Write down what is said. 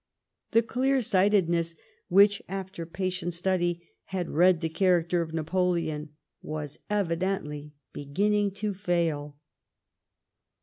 The clear sightedness which, after patient study, had read the character of Napoleon, was evidently beginning to fail.